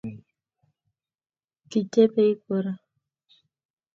Kitebei kora